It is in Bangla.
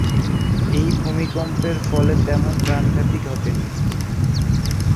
এই ভূমিকম্পের ফলে তেমন প্রাণঘাতী ঘটেনি।